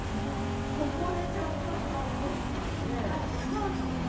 心音ちゃんが看護師さんでお母さんは？